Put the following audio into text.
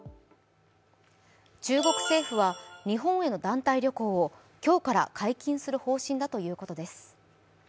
中国政府は日本への団体旅行を今日から解禁する方針だということです。